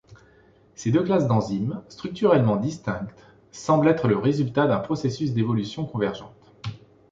Ces deux classes d'enzymes structurellement distinctes semblent être le résultat d'un processus d'évolution convergente.